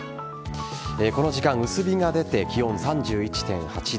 この時間薄日が出て気温３１．８度。